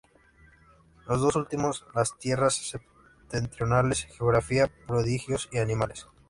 Los dos últimos, las tierras septentrionales: geografía, prodigios y animales.